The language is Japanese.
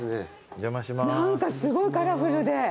何かすごいカラフルで。